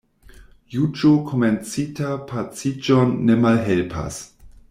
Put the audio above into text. Juĝo komencita paciĝon ne malhelpas.